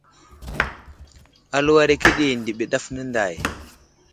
Aluwar akəɗi ndiɓimi ɗaf nənday.